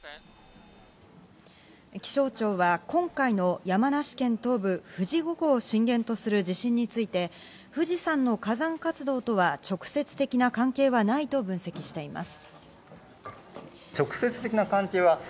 気象庁は今回の山梨県東部・富士五湖を震源とする地震について、富士山の火山活動とは直接的な関係はないと分析しています。